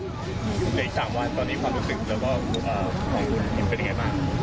เดี๋ยวอีก๓วันตอนนี้ความรู้สึกแล้วก็ของคุณมิ้นเป็นยังไงบ้าง